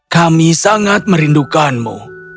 kami sangat merindukanmu